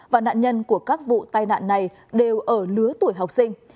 và nạn nhân của các vụ tai nạn này đều ở lứa tuổi học sinh